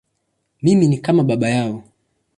Mimi ni kama baba yao.